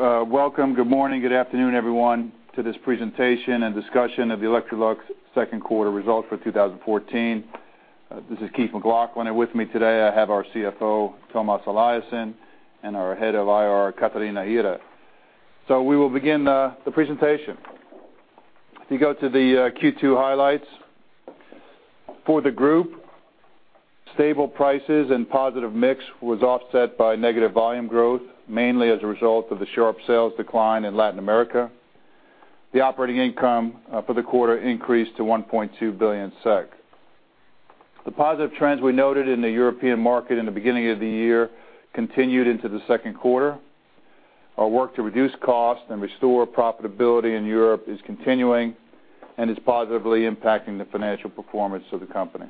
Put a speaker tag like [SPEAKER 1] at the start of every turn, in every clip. [SPEAKER 1] Hello, welcome. Good morning, good afternoon, everyone, to this presentation and discussion of the Electrolux second quarter results for 2014. This is Keith McLoughlin, and with me today, I have our CFO, Tomas Eliasson, and our Head of IR, Catarina Ihre. We will begin the presentation. If you go to the Q2 highlights. For the group, stable prices and positive mix was offset by negative volume growth, mainly as a result of the sharp sales decline in Latin America. The operating income for the quarter increased to 1.2 billion SEK. The positive trends we noted in the European market in the beginning of the year continued into the second quarter. Our work to reduce costs and restore profitability in Europe is continuing and is positively impacting the financial performance of the company.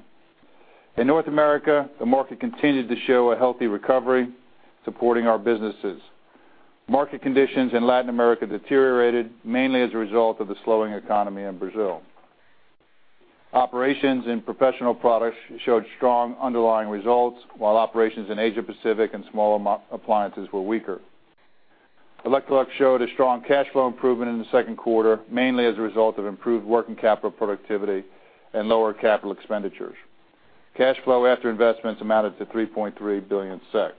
[SPEAKER 1] In North America, the market continued to show a healthy recovery, supporting our businesses. Market conditions in Latin America deteriorated, mainly as a result of the slowing economy in Brazil. Operations in Professional Products showed strong underlying results, while operations in Asia-Pacific and Small Appliances were weaker. Electrolux showed a strong cash flow improvement in the second quarter, mainly as a result of improved working capital productivity and lower capital expenditures. Cash flow after investments amounted to 3.3 billion SEK.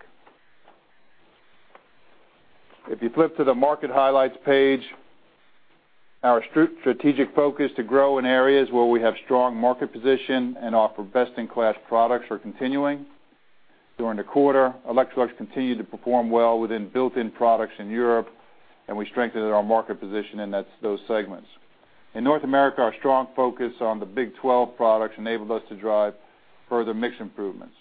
[SPEAKER 1] You flip to the market highlights page, our strategic focus to grow in areas where we have strong market position and offer best-in-class products are continuing. During the quarter, Electrolux continued to perform well within built-in products in Europe, and we strengthened our market position in those segments. In North America, our strong focus on the Big Twelve products enabled us to drive further mix improvements.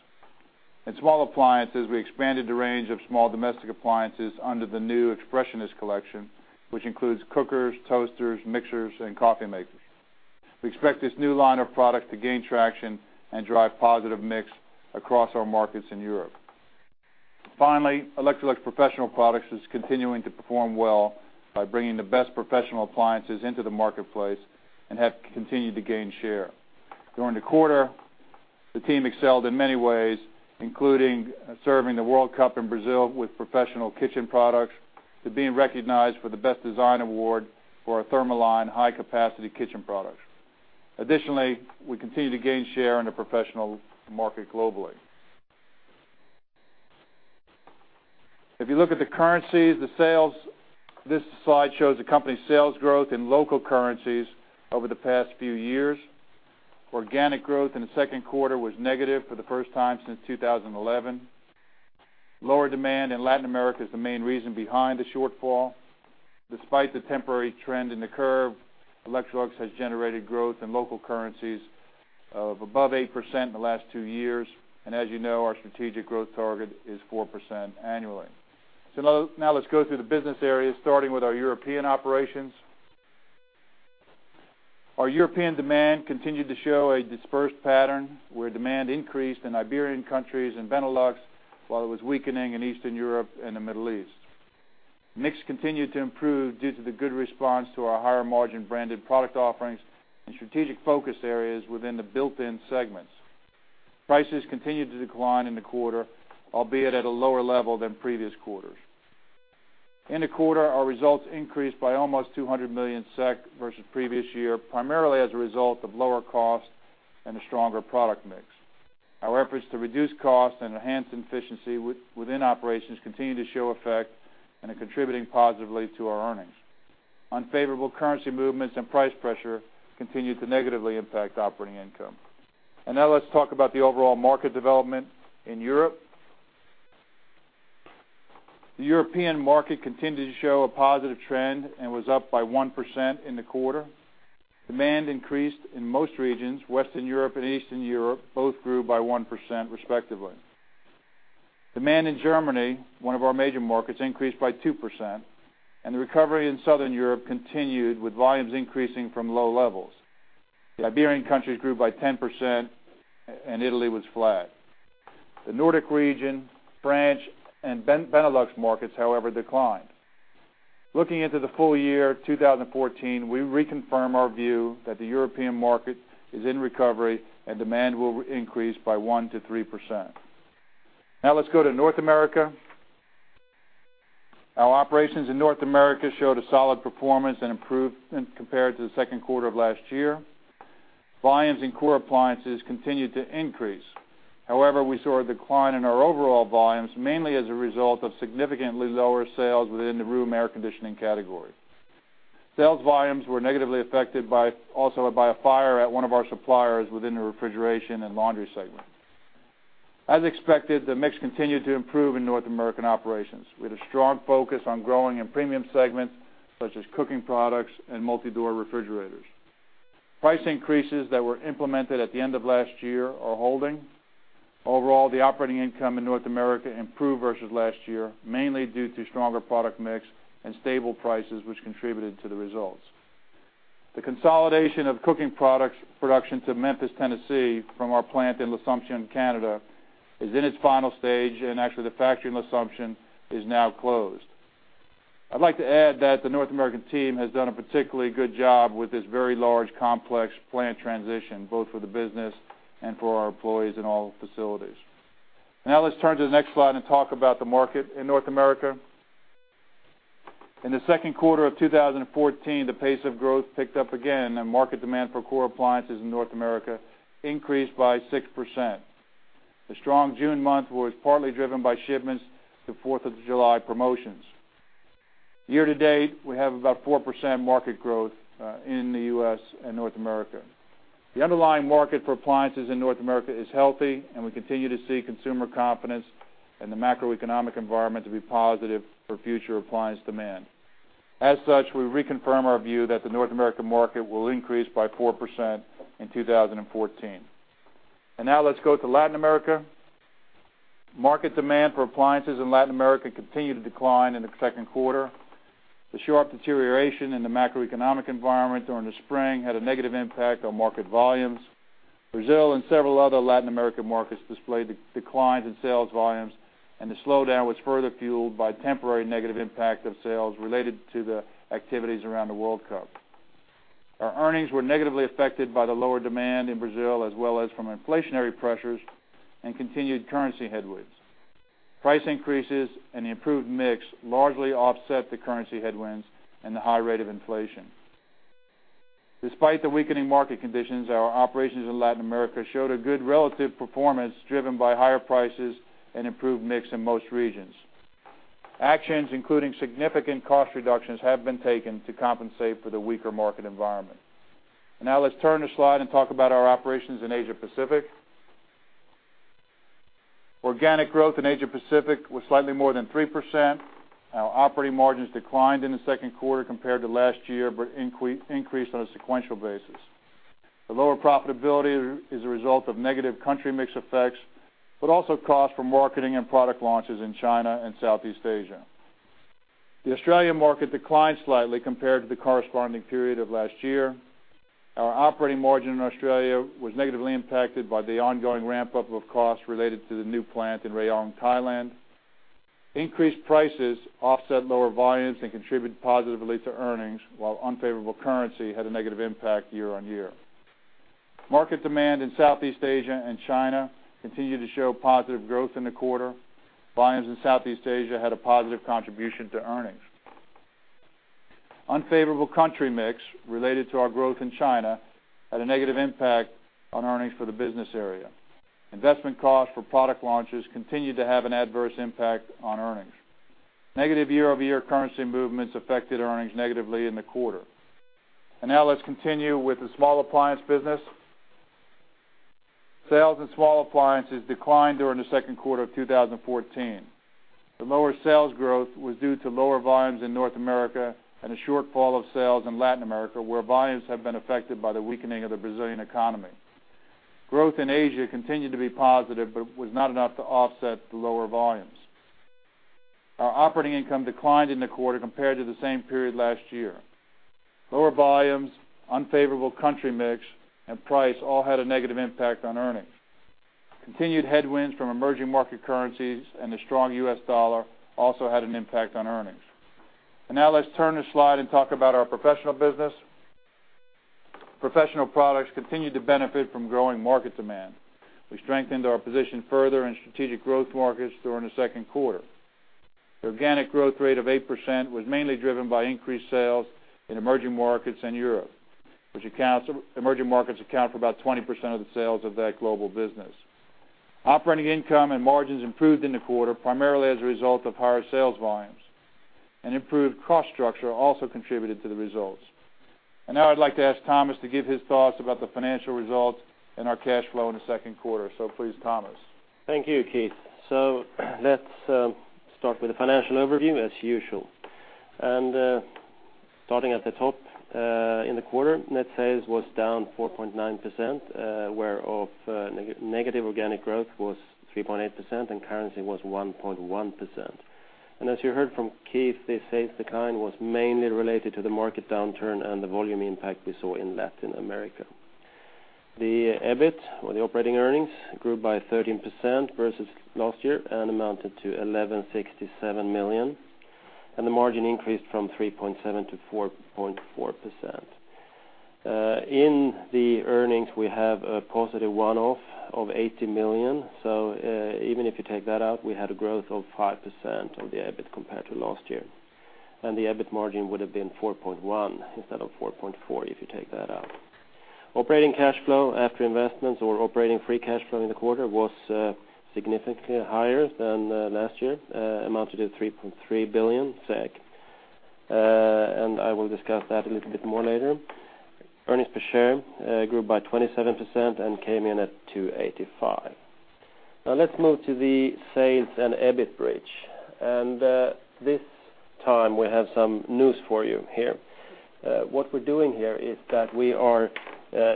[SPEAKER 1] In Small Appliances, we expanded the range of small domestic appliances under the new Expressionist Collection, which includes cookers, toasters, mixers, and coffee makers. We expect this new line of products to gain traction and drive positive mix across our markets in Europe. Electrolux Professional Products is continuing to perform well by bringing the best professional appliances into the marketplace and have continued to gain share. During the quarter, the team excelled in many ways, including serving the World Cup in Brazil with professional kitchen products, to being recognized for the Best Design Award for our Thermaline high-capacity kitchen products. We continue to gain share in the professional market globally. If you look at the currencies, the sales, this slide shows the company's sales growth in local currencies over the past few years. Organic growth in the second quarter was negative for the first time since 2011. Lower demand in Latin America is the main reason behind the shortfall. Despite the temporary trend in the curve, Electrolux has generated growth in local currencies of above 8% in the last two years, and as you know, our strategic growth target is 4% annually. Now let's go through the business areas, starting with our European operations. Our European demand continued to show a dispersed pattern, where demand increased in Iberian countries and Benelux, while it was weakening in Eastern Europe and the Middle East. Mix continued to improve due to the good response to our higher-margin branded product offerings and strategic focus areas within the built-in segments. Prices continued to decline in the quarter, albeit at a lower level than previous quarters. In the quarter, our results increased by almost 200 million SEK versus previous year, primarily as a result of lower costs and a stronger product mix. Our efforts to reduce costs and enhance efficiency within operations continue to show effect and are contributing positively to our earnings. Unfavorable currency movements and price pressure continued to negatively impact operating income. Now let's talk about the overall market development in Europe. The European market continued to show a positive trend and was up by 1% in the quarter. Demand increased in most regions. Western Europe and Eastern Europe both grew by 1%, respectively. Demand in Germany, one of our major markets, increased by 2%. The recovery in Southern Europe continued, with volumes increasing from low levels. The Iberian countries grew by 10%. Italy was flat. The Nordic region, France, and Benelux markets, however, declined. Looking into the full year 2014, we reconfirm our view that the European market is in recovery and demand will increase by 1%-3%. Now let's go to North America. Our operations in North America showed a solid performance and improved in compared to the second quarter of last year. Volumes in core appliances continued to increase. However, we saw a decline in our overall volumes, mainly as a result of significantly lower sales within the room air conditioning category. Sales volumes were negatively affected also by a fire at one of our suppliers within the refrigeration and laundry segment. As expected, the mix continued to improve in North American operations, with a strong focus on growing in premium segments, such as cooking products and multi-door refrigerators. Price increases that were implemented at the end of last year are holding. Overall, the operating income in North America improved versus last year, mainly due to stronger product mix and stable prices, which contributed to the results. The consolidation of cooking products production to Memphis, Tennessee, from our plant in L'Assomption, Canada, is in its final stage, and actually the factory in L'Assomption is now closed. I'd like to add that the North American team has done a particularly good job with this very large, complex plant transition, both for the business and for our employees in all facilities. Now let's turn to the next slide and talk about the market in North America. In the second quarter of 2014, the pace of growth picked up again, and market demand for core appliances in North America increased by 6%. The strong June month was partly driven by shipments to Fourth of July promotions. Year-to-date, we have about 4% market growth in the U.S. and North America. The underlying market for appliances in North America is healthy, and we continue to see consumer confidence and the macroeconomic environment to be positive for future appliance demand. As such, we reconfirm our view that the North American market will increase by 4% in 2014. Now let's go to Latin America. Market demand for appliances in Latin America continued to decline in the second quarter. The sharp deterioration in the macroeconomic environment during the spring had a negative impact on market volumes. Brazil and several other Latin American markets displayed declines in sales volumes, the slowdown was further fueled by temporary negative impact of sales related to the activities around the World Cup. Our earnings were negatively affected by the lower demand in Brazil, as well as from inflationary pressures and continued currency headwinds. Price increases and the improved mix largely offset the currency headwinds and the high rate of inflation. Despite the weakening market conditions, our operations in Latin America showed a good relative performance, driven by higher prices and improved mix in most regions. Actions, including significant cost reductions, have been taken to compensate for the weaker market environment. Let's turn the slide and talk about our operations in Asia-Pacific. Organic growth in Asia-Pacific was slightly more than 3%. Our operating margins declined in the second quarter compared to last year, but increased on a sequential basis. The lower profitability is a result of negative country mix effects, but also costs for marketing and product launches in China and Southeast Asia. The Australian market declined slightly compared to the corresponding period of last year. Our operating margin in Australia was negatively impacted by the ongoing ramp-up of costs related to the new plant in Rayong, Thailand. Increased prices offset lower volumes and contributed positively to earnings, while unfavorable currency had a negative impact year-on-year. Market demand in Southeast Asia and China continued to show positive growth in the quarter. Volumes in Southeast Asia had a positive contribution to earnings. Unfavorable country mix related to our growth in China had a negative impact on earnings for the business area. Investment costs for product launches continued to have an adverse impact on earnings. Negative year-over-year currency movements affected earnings negatively in the quarter. Now let's continue with the Small Appliance business. Sales in Small Appliances declined during the second quarter of 2014. The lower sales growth was due to lower volumes in North America and a shortfall of sales in Latin America, where volumes have been affected by the weakening of the Brazilian economy. Growth in Asia continued to be positive, but was not enough to offset the lower volumes. Our operating income declined in the quarter compared to the same period last year. Lower volumes, unfavorable country mix, and price all had a negative impact on earnings. Continued headwinds from emerging market currencies and the strong US dollar also had an impact on earnings. Now let's turn the slide and talk about our professional business. Professional Products continued to benefit from growing market demand. We strengthened our position further in strategic growth markets during the second quarter. The organic growth rate of 8% was mainly driven by increased sales in emerging markets and Europe, emerging markets account for about 20% of the sales of that global business. Operating income and margins improved in the quarter, primarily as a result of higher sales volumes. An improved cost structure also contributed to the results. Now I'd like to ask Tomas to give his thoughts about the financial results and our cash flow in the second quarter. Please, Tomas.
[SPEAKER 2] Thank you, Keith. Let's start with the financial overview, as usual. Starting at the top, in the quarter, net sales was down 4.9%, whereof negative organic growth was 3.8% and currency was 1.1%. As you heard from Keith, this sales decline was mainly related to the market downturn and the volume impact we saw in Latin America. The EBIT, or the operating earnings, grew by 13% versus last year and amounted to 1,167 million, and the margin increased from 3.7% to 4.4%. In the earnings, we have a positive one-off of 80 million. Even if you take that out, we had a growth of 5% of the EBIT compared to last year, and the EBIT margin would have been 4.1% instead of 4.4%, if you take that out. Operating cash flow after investments or operating free cash flow in the quarter was significantly higher than last year, amounted to 3.3 billion SEK, and I will discuss that a little bit more later. Earnings per share grew by 27% and came in at 2.85. Now let's move to the sales and EBIT bridge. This time, we have some news for you here. What we're doing here is that we are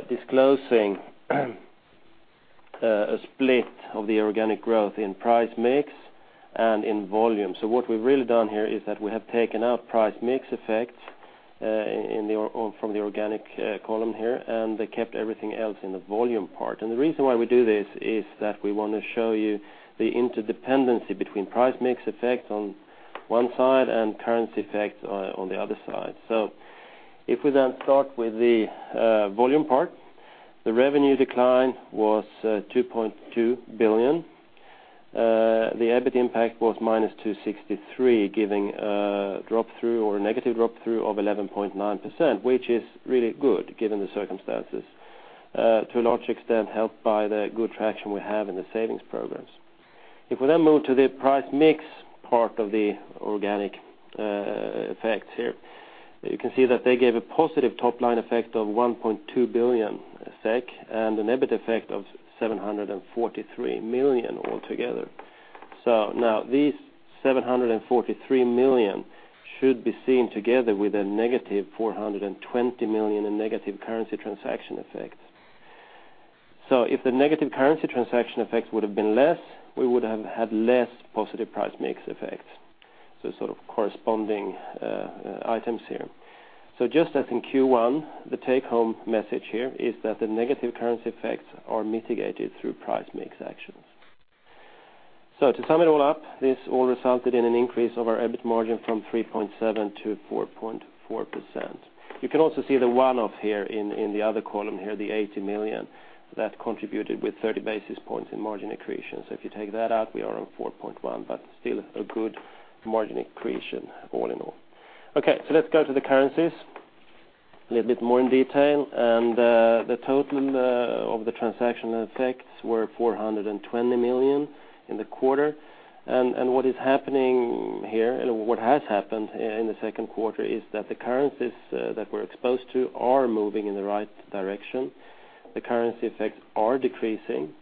[SPEAKER 2] disclosing a split of the organic growth in price mix and in volume. What we've really done here is that we have taken out price mix effects from the organic column here, and then kept everything else in the volume part. The reason why we do this is that we want to show you the interdependency between price mix effect on one side and currency effect on the other side. If we then start with the volume part, the revenue decline was 2.2 billion. The EBIT impact was -263 million, giving a drop-through or a negative drop-through of 11.9%, which is really good given the circumstances, to a large extent, helped by the good traction we have in the savings programs. We then move to the price mix part of the organic effects here, you can see that they gave a positive top-line effect of 1.2 billion SEK, and an EBIT effect of 743 million altogether. Now these 743 million should be seen together with a negative 420 million in negative currency transaction effects. If the negative currency transaction effects would have been less, we would have had less positive price mix effects. Sort of corresponding items here. Just as in Q1, the take home message here is that the negative currency effects are mitigated through price mix actions. To sum it all up, this all resulted in an increase of our EBIT margin from 3.7% to 4.4%. You can also see the one-off here in the other column here, the 80 million, that contributed with 30 basis points in margin accretion. If you take that out, we are on 4.1%, but still a good margin accretion, all in all. Let's go to the currencies a little bit more in detail. The total of the transaction effects were 420 million in the quarter. What is happening here, and what has happened in the second quarter, is that the currencies that we're exposed to are moving in the right direction. The currency effects are decreasing.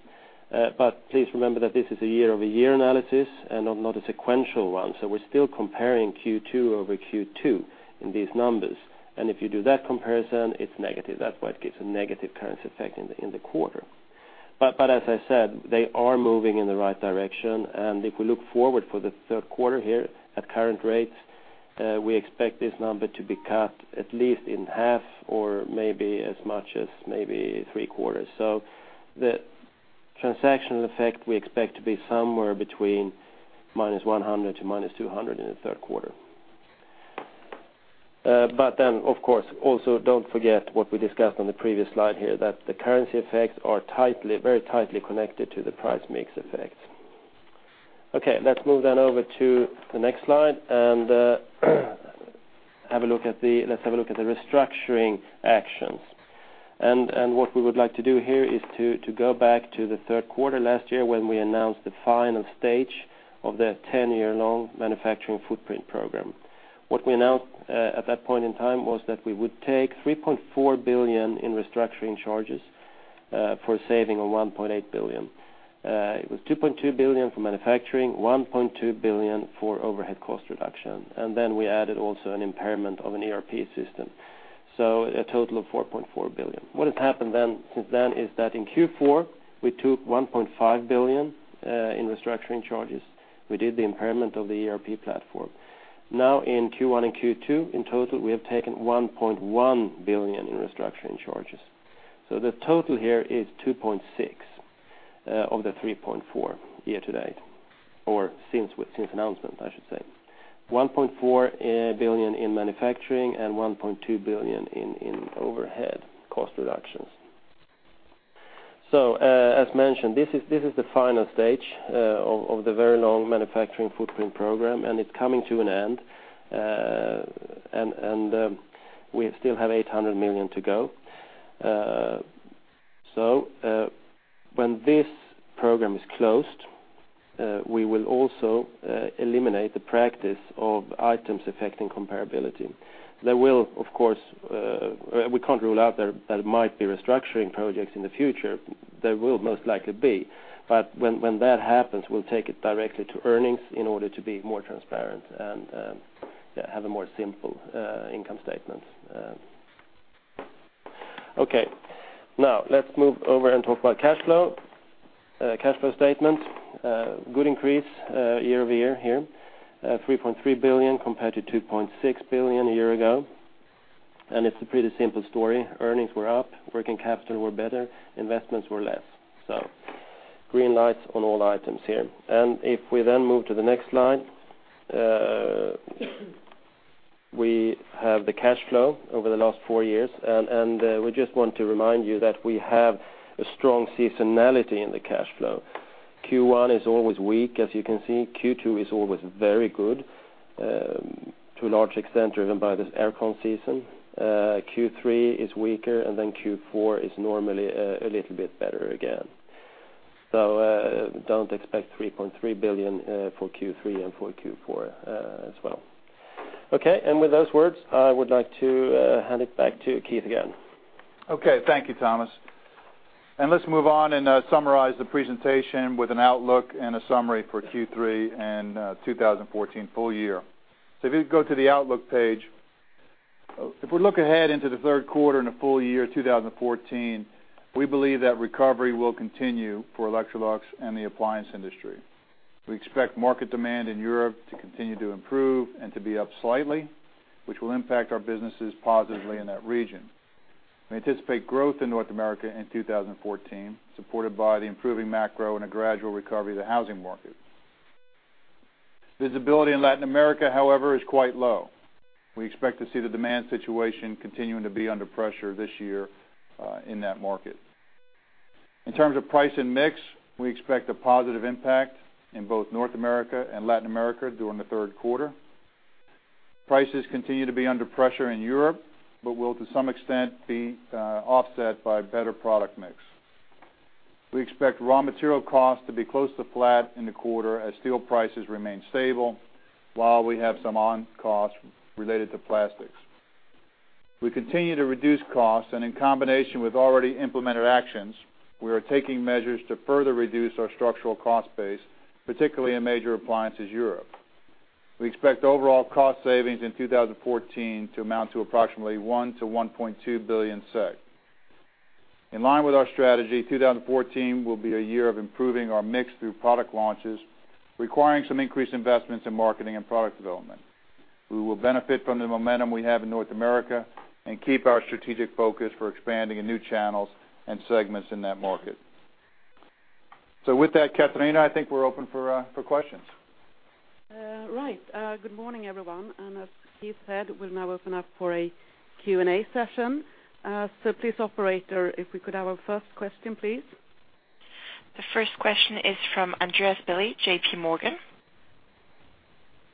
[SPEAKER 2] Please remember that this is a year-over-year analysis and not a sequential one, we're still comparing Q2-over-Q2 in these numbers. If you do that comparison, it's negative. That's what gives a negative currency effect in the quarter. As I said, they are moving in the right direction. If we look forward for the third quarter here, at current rates, we expect this number to be cut at least in half or maybe as much as maybe three quarters. The transactional effect, we expect to be somewhere between -100 to -200 in the third quarter. Of course, also don't forget what we discussed on the previous slide here, that the currency effects are very tightly connected to the price mix effects. Okay, let's move over to the next slide and have a look at the restructuring actions. What we would like to do here is to go back to the third quarter last year, when we announced the final stage of the 10-year-long manufacturing footprint program. What we announced at that point in time was that we would take 3.4 billion in restructuring charges for a saving of 1.8 billion. It was 2.2 billion for manufacturing, 1.2 billion for overhead cost reduction, and then we added also an impairment of an ERP system, so a total of 4.4 billion. What has happened then, since then, is that in Q4, we took 1.5 billion in restructuring charges. We did the impairment of the ERP platform. Now, in Q1 and Q2, in total, we have taken 1.1 billion in restructuring charges. The total here is 2.6 of the 3.4, year-to-date, or since announcement, I should say. 1.4 billion in manufacturing and 1.2 billion in overhead cost reductions. As mentioned, this is the final stage of the very long manufacturing footprint program, and it's coming to an end. We still have 800 million to go. When this program is closed, we will also eliminate the practice of items affecting comparability. There will, of course, we can't rule out that it might be restructuring projects in the future. There will most likely be, but when that happens, we'll take it directly to earnings in order to be more transparent and have a more simple income statement. Okay, now let's move over and talk about cash flow. Cash flow statement, good increase year-over-year here, 3.3 billion compared to 2.6 billion a year ago. It's a pretty simple story. Earnings were up, working capital were better, investments were less, so green lights on all items here. If we then move to the next slide, we have the cash flow over the last four years. We just want to remind you that we have a strong seasonality in the cash flow. Q1 is always weak, as you can see. Q2 is always very good, to a large extent, driven by this aircon season. Q3 is weaker, Q4 is normally a little bit better again. Don't expect 3.3 billion for Q3 and for Q4 as well. With those words, I would like to hand it back to Keith again.
[SPEAKER 1] Okay, thank you, Tomas. Let's move on and summarize the presentation with an outlook and a summary for Q3 and 2014 full year. If you go to the Outlook page, if we look ahead into the third quarter and the full year 2014, we believe that recovery will continue for Electrolux and the appliance industry. We expect market demand in Europe to continue to improve and to be up slightly, which will impact our businesses positively in that region. We anticipate growth in North America in 2014, supported by the improving macro and a gradual recovery of the housing market. Visibility in Latin America, however, is quite low. We expect to see the demand situation continuing to be under pressure this year in that market. In terms of price and mix, we expect a positive impact in both North America and Latin America during the third quarter. Prices continue to be under pressure in Europe, but will, to some extent, be offset by better product mix. We expect raw material costs to be close to flat in the quarter as steel prices remain stable, while we have some on-cost related to plastics. We continue to reduce costs, and in combination with already implemented actions, we are taking measures to further reduce our structural cost base, particularly in Major Appliances EMEA. We expect overall cost savings in 2014 to amount to approximately 1 billion-1.2 billion SEK. In line with our strategy, 2014 will be a year of improving our mix through product launches, requiring some increased investments in marketing and product development. We will benefit from the momentum we have in North America and keep our strategic focus for expanding in new channels and segments in that market. With that, Catarina, I think we're open for questions.
[SPEAKER 3] Right. Good morning, everyone, and as Keith said, we'll now open up for a Q&A session. Please, operator, if we could have our first question, please.
[SPEAKER 4] The first question is from Andreas Willi, J.P. Morgan.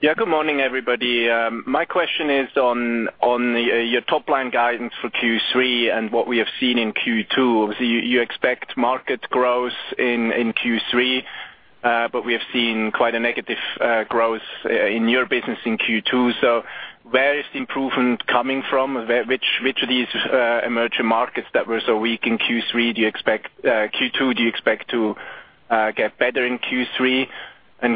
[SPEAKER 5] Good morning, everybody. My question is on your top-line guidance for Q3 and what we have seen in Q2. You, you expect market growth in Q3, but we have seen quite a negative growth in your business in Q2. Where is the improvement coming from? Which, which of these emerging markets that were so weak in Q3, do you expect Q2, do you expect to get better in Q3?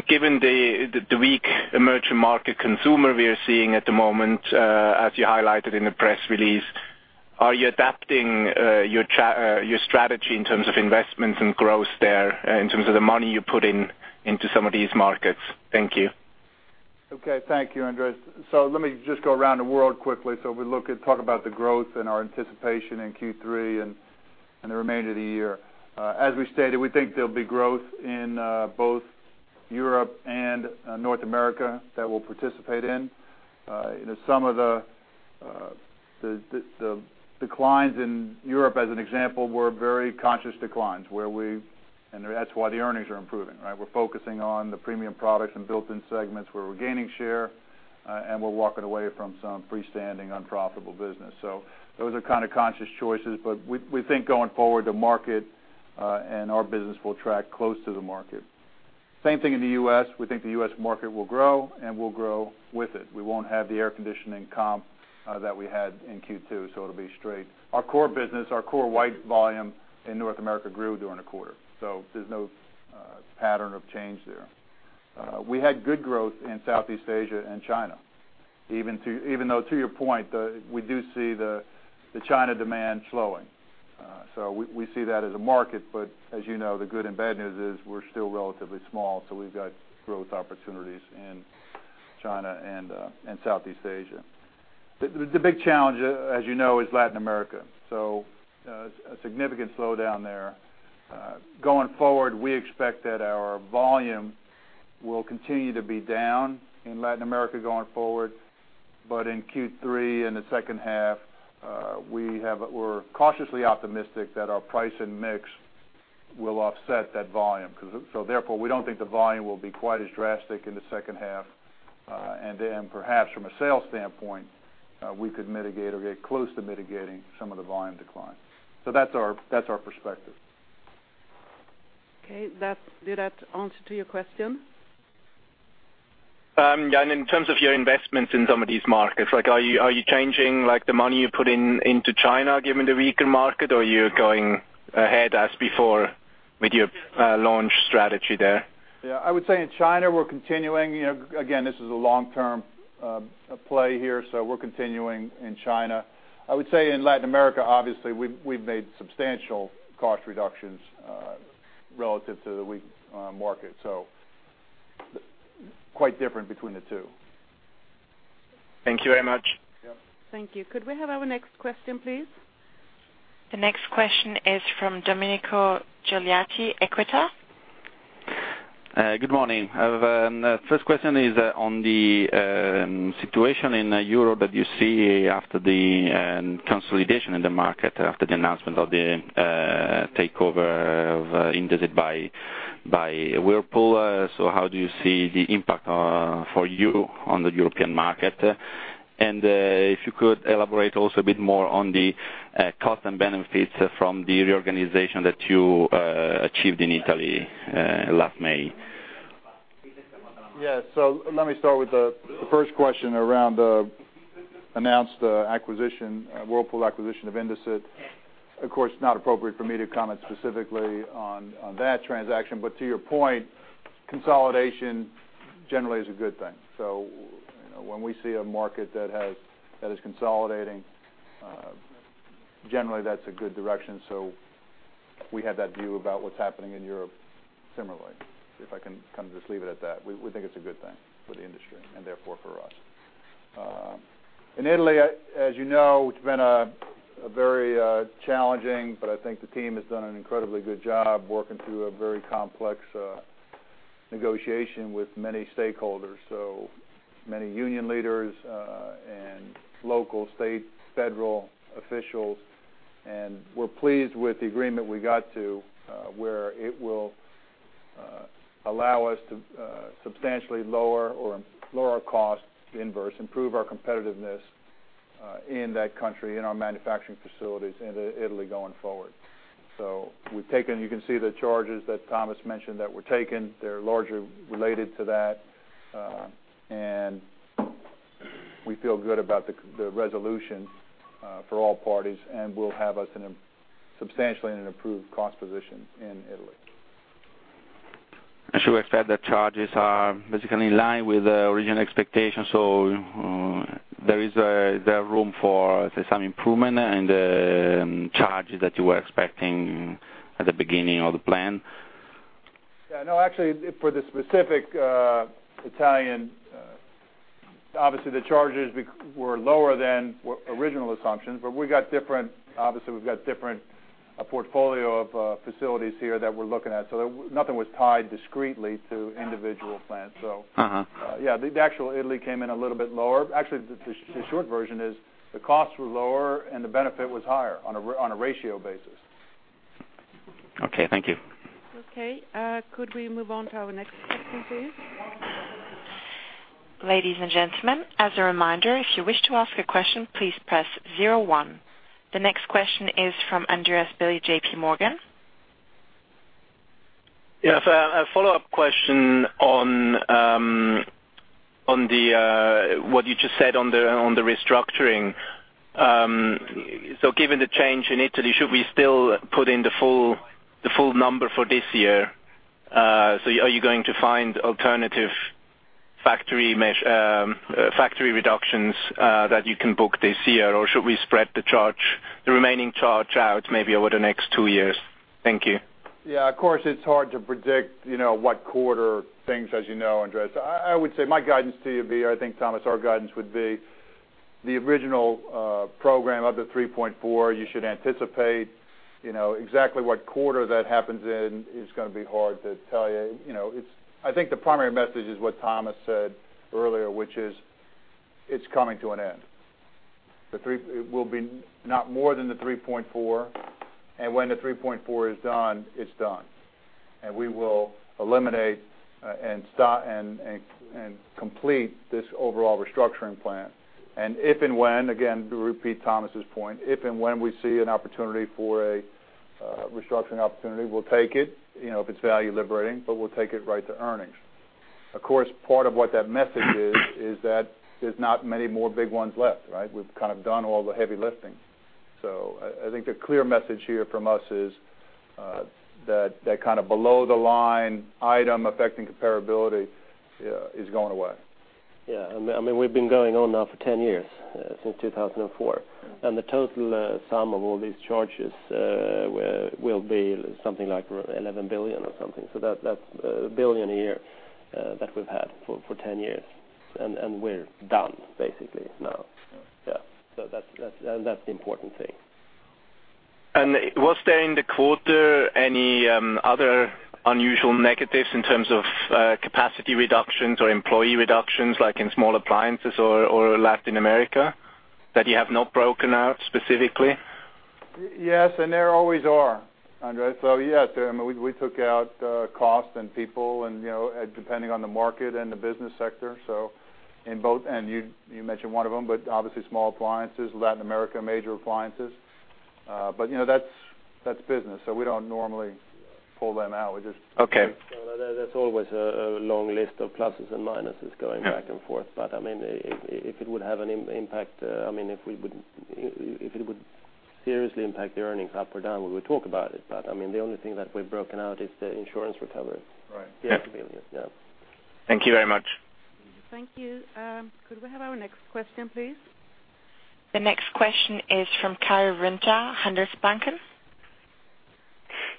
[SPEAKER 5] Given the, the weak emerging market consumer we are seeing at the moment, as you highlighted in the press release, are you adapting your strategy in terms of investments and growth there, in terms of the money you put in, into some of these markets? Thank you.
[SPEAKER 1] Okay. Thank you, Andreas. Let me just go around the world quickly. We talk about the growth and our anticipation in Q3 and the remainder of the year. As we stated, we think there'll be growth in both Europe and North America that we'll participate in. You know, some of the declines in Europe, as an example, were very conscious declines, and that's why the earnings are improving, right? We're focusing on the premium products and built-in segments where we're gaining share, and we're walking away from some freestanding, unprofitable business. Those are kind of conscious choices, but we think going forward, the market and our business will track close to the market. Same thing in the U.S. We think the U.S. market will grow. We'll grow with it. We won't have the air conditioning comp that we had in Q2. It'll be straight. Our core business, our core white volume in North America grew during the quarter. There's no pattern of change there. We had good growth in Southeast Asia and China, even to, even though, to your point, we do see the China demand slowing. We see that as a market, but as you know, the good and bad news is we're still relatively small. We've got growth opportunities in China and Southeast Asia. The big challenge, as you know, is Latin America. A significant slowdown there. Going forward, we expect that our volume will continue to be down in Latin America going forward. In Q3, in the second half, we're cautiously optimistic that our price and mix will offset that volume. Therefore, we don't think the volume will be quite as drastic in the second half. Perhaps from a sales standpoint, we could mitigate or get close to mitigating some of the volume decline. That's our, that's our perspective.
[SPEAKER 3] Okay, did that answer to your question?
[SPEAKER 5] Yeah, in terms of your investments in some of these markets, like, are you, are you changing, like, the money you put in into China, given the weaker market, or you're going ahead as before with your launch strategy there?
[SPEAKER 1] Yeah, I would say in China, we're continuing. You know, again, this is a long-term play here, so we're continuing in China. I would say in Latin America, obviously, we've made substantial cost reductions relative to the weak market, so quite different between the two.
[SPEAKER 5] Thank you very much.
[SPEAKER 1] Yep.
[SPEAKER 3] Thank you. Could we have our next question, please?
[SPEAKER 4] The next question is from Domenico Ghilotti, Equita.
[SPEAKER 6] Good morning. First question is on the situation in Europe that you see after the consolidation in the market, after the announcement of the takeover of Indesit by Whirlpool. How do you see the impact for you on the European market? If you could elaborate also a bit more on the cost and benefits from the reorganization that you achieved in Italy last May.
[SPEAKER 1] Yeah. Let me start with the first question around the announced acquisition, Whirlpool acquisition of Indesit. Of course, it's not appropriate for me to comment specifically on that transaction, but to your point, consolidation generally is a good thing. You know, when we see a market that is consolidating, generally, that's a good direction. We have that view about what's happening in Europe similarly, if I can kind of just leave it at that. We think it's a good thing for the industry and therefore for us. In Italy, as you know, it's been a very challenging, but I think the team has done an incredibly good job working through a very complex negotiation with many stakeholders, so many union leaders, and local, state, federal officials. We're pleased with the agreement we got to, where it will allow us to substantially lower or lower our costs, the inverse, improve our competitiveness, in that country, in our manufacturing facilities in Italy going forward. We've taken, you can see the charges that Tomas mentioned that were taken. They're largely related to that, and we feel good about the resolution, for all parties, and will have us in a substantially in an improved cost position in Italy.
[SPEAKER 6] should we expect that charges are basically in line with the original expectations? There are room for, say, some improvement and charges that you were expecting at the beginning of the plan?
[SPEAKER 1] Yeah, no, actually, for the specific Italian, obviously, the charges were lower than original assumptions. We got different, obviously, we've got different portfolio of facilities here that we're looking at. There, nothing was tied discretely to individual plants.
[SPEAKER 6] Uh-huh.
[SPEAKER 1] Yeah, the actual Italy came in a little bit lower. Actually, the short version is the costs were lower, and the benefit was higher on a ratio basis.
[SPEAKER 6] Okay, thank you.
[SPEAKER 3] Okay, could we move on to our next question, please?
[SPEAKER 4] Ladies and gentlemen, as a reminder, if you wish to ask a question, please press zero one. The next question is from Andreas Willi, J.P. Morgan.
[SPEAKER 5] Yes, a follow-up question on the, what you just said on the, on the restructuring. Given the change in Italy, should we still put in the full number for this year? Are you going to find alternative factory mesh, factory reductions, that you can book this year, or should we spread the charge, the remaining charge out, maybe over the next two years? Thank you.
[SPEAKER 1] Yeah, of course, it's hard to predict, you know, what quarter things, as you know, address. I would say my guidance to you would be, I think, Tomas, our guidance would be the original program of the 3.4. You should anticipate, you know, exactly what quarter that happens in is going to be hard to tell you. You know, I think the primary message is what Tomas said earlier, which is it's coming to an end. It will be not more than the 3.4, and when the 3.4 is done, it's done. We will eliminate, and stop and complete this overall restructuring plan. If and when, again, to repeat Tomas' point, if and when we see an opportunity for a restructuring opportunity, we'll take it, you know, if it's value liberating, but we'll take it right to earnings. Of course, part of what that message is that there's not many more big ones left, right? We've kind of done all the heavy lifting. I think the clear message here from us is that kind of below the line item affecting comparability is going away.
[SPEAKER 2] I mean, we've been going on now for 10 years, since 2004, and the total sum of all these charges will be something like 11 billion or something. That's 1 billion a year that we've had for 10 years, and we're done basically now. That's the important thing.
[SPEAKER 5] Was there in the quarter any other unusual negatives in terms of capacity reductions or employee reductions, like in Small Appliances or Latin America, that you have not broken out specifically?
[SPEAKER 1] Yes, there always are, Andreas. Yes, I mean, we took out costs and people and, you know, depending on the market and the business sector. In both, and you mentioned one of them, but obviously Small Appliances, Latin America, Major Appliances. You know, that's business, so we don't normally pull them out. We just
[SPEAKER 5] Okay.
[SPEAKER 2] There's always a long list of pluses and minuses going back and forth. I mean, if it would have an impact, I mean, if it would seriously impact the earnings up or down, we would talk about it. I mean, the only thing that we've broken out is the insurance recovery.
[SPEAKER 1] Right.
[SPEAKER 2] Yeah, yeah.
[SPEAKER 5] Thank you very much.
[SPEAKER 3] Thank you. Could we have our next question, please?
[SPEAKER 4] The next question is from Karri Rinta, Handelsbanken.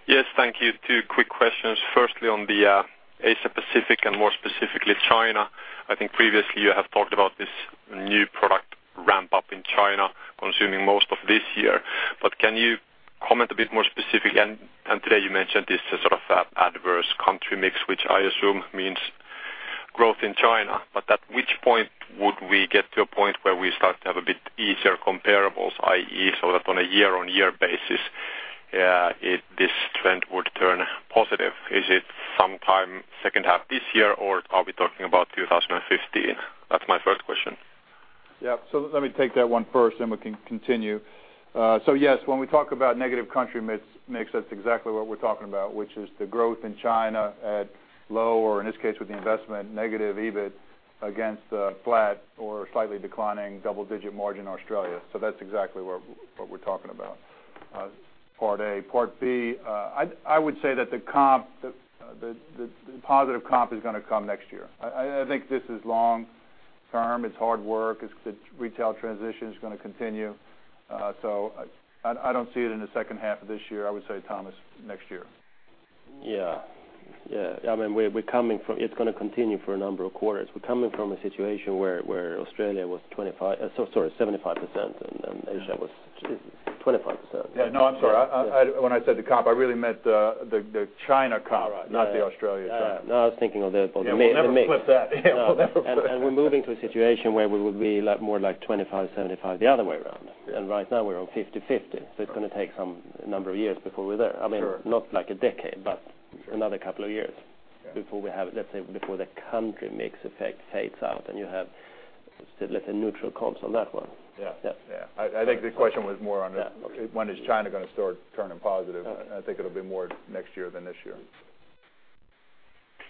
[SPEAKER 7] Yes, thank you. Two quick questions. Firstly, on the Asia-Pacific and more specifically, China. I think previously you have talked about this new product ramp-up in China consuming most of this year. Can you comment a bit more specifically? Today you mentioned this as sort of a adverse country mix, which I assume means growth in China. At which point would we get to a point where we start to have a bit easier comparables, i.e., so that on a year-on-year basis, this trend would turn positive? Is it sometime second half this year, or are we talking about 2015? That's my first question.
[SPEAKER 1] Yeah. Let me take that one first, and we can continue. Yes, when we talk about negative country mix, that's exactly what we're talking about, which is the growth in China at low, or in this case, with the investment, negative EBIT against a flat or slightly declining double-digit margin Australia. That's exactly what we're talking about, part A. Part B, I would say that the positive comp is going to come next year. I think this is long term. It's hard work. It's the retail transition is going to continue. I don't see it in the second half of this year. I would say, Tomas, next year.
[SPEAKER 2] Yeah, yeah. I mean, It's gonna continue for a number of quarters. We're coming from a situation where Australia was 25, so sorry, 75%, and then Asia was 25%.
[SPEAKER 1] Yeah. No, I'm sorry. I when I said the comp, I really meant the China comp, not the Australia comp.
[SPEAKER 2] No, I was thinking of the mix.
[SPEAKER 1] We'll never flip that. Yeah, we'll never flip that.
[SPEAKER 2] We're moving to a situation where we would be like, more like 25, 75, the other way around. Right now we're on 50/50, so it's gonna take some number of years before we're there.
[SPEAKER 1] Sure.
[SPEAKER 2] I mean, not like a decade, but another couple of years-
[SPEAKER 1] Yeah
[SPEAKER 2] before we have, let's say, before the country mix effect fades out, and you have still a neutral comps on that one.
[SPEAKER 1] Yeah.
[SPEAKER 2] Yeah.
[SPEAKER 1] Yeah. I think the question was more on when is China gonna start turning positive?
[SPEAKER 2] Okay.
[SPEAKER 1] I think it'll be more next year than this year.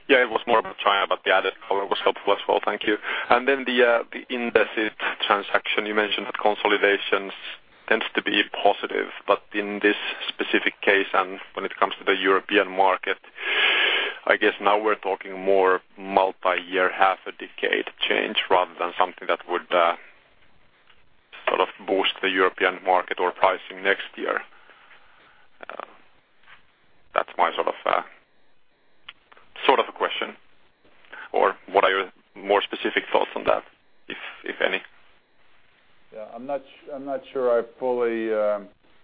[SPEAKER 7] Yeah, it was more of China, but the added color was helpful as well. Thank you. The Indesit transaction, you mentioned that consolidations tends to be positive, but in this specific case, and when it comes to the European market, I guess now we're talking more multi-year, half a decade change, rather than something that would sort of boost the European market or pricing next year, that's my sort of a question, or what are your more specific thoughts on that, if any?
[SPEAKER 1] I'm not sure I fully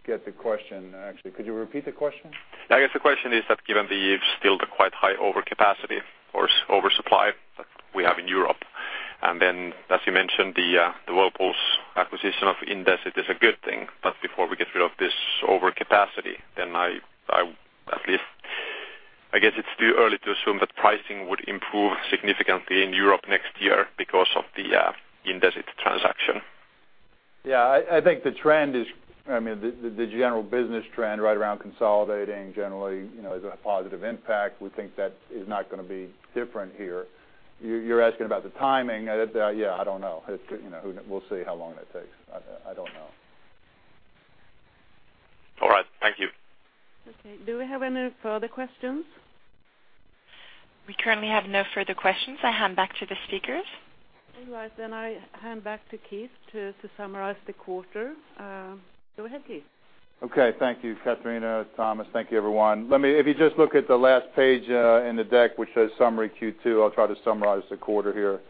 [SPEAKER 1] get the question, actually. Could you repeat the question?
[SPEAKER 7] I guess the question is that given the still the quite high overcapacity or oversupply that we have in Europe, and then, as you mentioned, the Whirlpool's acquisition of Indesit is a good thing, but before we get rid of this overcapacity, then I at least... I guess it's too early to assume that pricing would improve significantly in Europe next year because of the Indesit transaction.
[SPEAKER 1] Yeah, I think the trend is, I mean, the general business trend right around consolidating generally, you know, is a positive impact. We think that is not gonna be different here. You're asking about the timing? Yeah, I don't know. It's, you know, we'll see how long that takes. I don't know.
[SPEAKER 7] All right. Thank you.
[SPEAKER 3] Okay. Do we have any further questions?
[SPEAKER 4] We currently have no further questions. I hand back to the speakers.
[SPEAKER 3] All right, I hand back to Keith to summarize the quarter. Go ahead, Keith.
[SPEAKER 1] Okay. Thank you, Catarina. Tomas, thank you, everyone. If you just look at the last page in the deck, which says Summary Q2, I'll try to summarize the quarter here.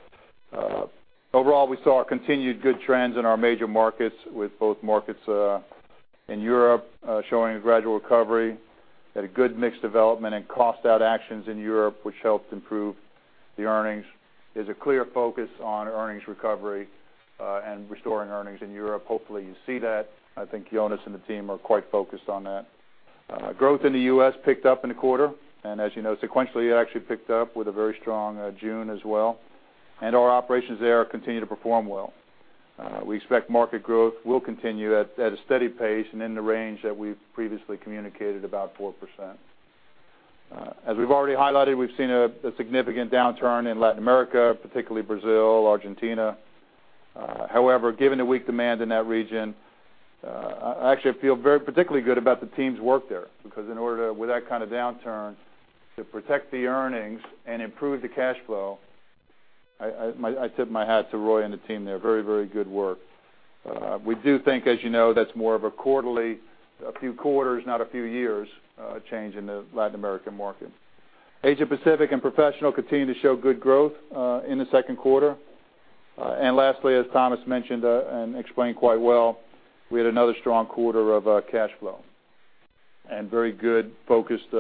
[SPEAKER 1] Overall, we saw continued good trends in our major markets, with both markets in Europe showing a gradual recovery, had a good mix development and cost out actions in Europe, which helped improve the earnings. There's a clear focus on earnings recovery and restoring earnings in Europe. Hopefully, you see that. I think Jonas and the team are quite focused on that. Growth in the U.S. picked up in the quarter, and as you know, sequentially, it actually picked up with a very strong June as well, and our operations there continue to perform well. We expect market growth will continue at a steady pace and in the range that we've previously communicated, about 4%. As we've already highlighted, we've seen a significant downturn in Latin America, particularly Brazil, Argentina. However, given the weak demand in that region, I actually feel very particularly good about the team's work there, because with that kind of downturn, to protect the earnings and improve the cash flow, I tip my hat to Ruy and the team. They're very good work. We do think, as you know, that's more of a quarterly, a few quarters, not a few years, change in the Latin American market. Asia-Pacific and Professional continue to show good growth in the second quarter. Lastly, as Tomas mentioned, and explained quite well, we had another strong quarter of cash flow and very good, focused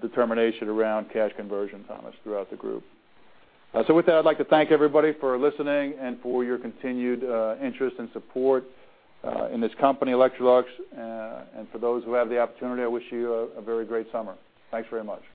[SPEAKER 1] determination around cash conversion, Tomas, throughout the group. With that, I'd like to thank everybody for listening and for your continued interest and support in this company, Electrolux, and for those who have the opportunity, I wish you a very great summer. Thanks very much.